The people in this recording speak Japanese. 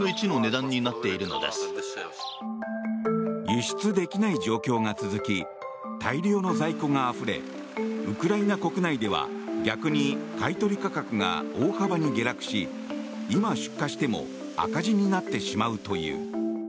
輸出できない状況が続き大量の在庫があふれウクライナ国内では逆に買い取り価格が大幅に下落し今、出荷しても赤字になってしまうという。